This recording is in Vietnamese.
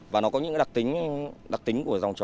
và nó có những đặc tính của giống chó